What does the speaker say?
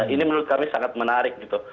ini menurut kami sangat menarik gitu